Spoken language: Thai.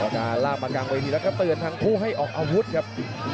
จะลากมากลางเวทีแล้วก็เตือนทั้งคู่ให้ออกอาวุธครับ